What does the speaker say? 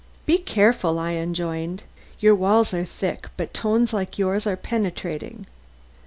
"Be careful," I enjoined. "Your walls are thick but tones like yours are penetrating."